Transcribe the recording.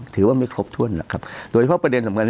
ถือว่าไม่ครบถ้วนหรอกครับโดยเฉพาะประเด็นสำคัญ